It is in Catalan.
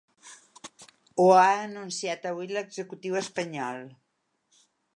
Ho ha anunciat avui l’executiu espanyol.